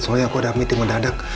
soalnya aku ada meeting mendadak